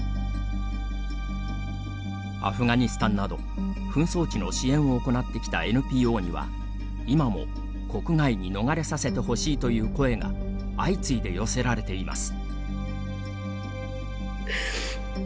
アフガニスタンなど紛争地の支援を行ってきたＮＰＯには今も国外に逃れさせてほしいという声が相次いで寄せられています。